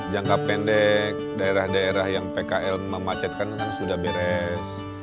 jangka pendek daerah daerah yang pkl memacetkan kan sudah beres